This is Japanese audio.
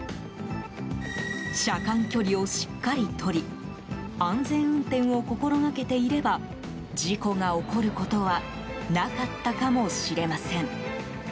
車間距離をしっかり取り安全運転を心がけていれば事故が起こることはなかったかもしれません。